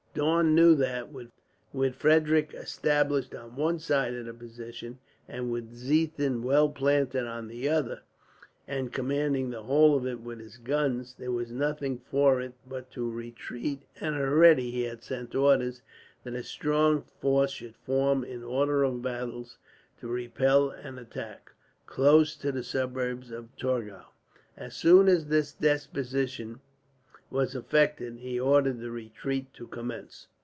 Daun knew that, with Frederick established on one side of the position, and with Ziethen well planted upon the other and commanding the whole of it with his guns, there was nothing for it but to retreat; and already he had sent orders that a strong force should form in order of battle to repel an attack, close to the suburbs of Torgau. As soon as this disposition was effected, he ordered the retreat to commence.